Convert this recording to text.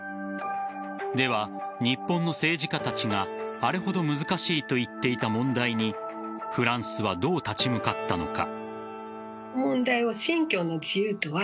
では、日本の政治家たちがあれほど難しいと言っていた問題にフランスはどう立ち向かったのか。